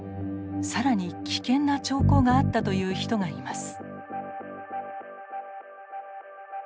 さらに危険な兆候があったという人がいます。